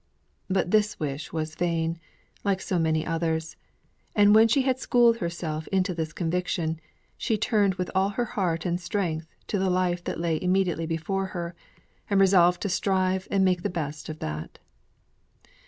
But this wish was vain, like so many others; and when she had schooled herself into this conviction, she turned with all her heart and strength to the life that lay immediately before her, and resolved to strive and make the best of that.